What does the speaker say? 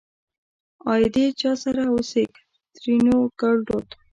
آئيدې چا سره اوسيږ؛ ترينو ګړدود